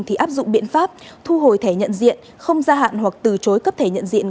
thì áp dụng biện pháp thu hồi thẻ nhận diện không gia hạn hoặc từ chối cấp thẻ nhận diện